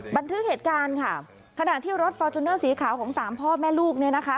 บันทึกเหตุการณ์ค่ะขณะที่รถฟอร์จูเนอร์สีขาวของสามพ่อแม่ลูกเนี่ยนะคะ